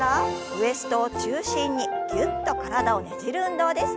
ウエストを中心にぎゅっと体をねじる運動です。